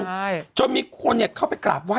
ใช่จนมีคนเนี่ยเข้าไปกราบไห้